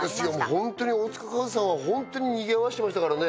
本当に大塚家具さんはにぎわせていましたからね